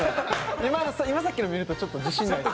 今さっきの見るとちょっと自信ないです。